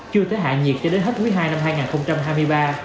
chưa thể hạ nhiệt cho đến hết quý ii năm hai nghìn hai mươi ba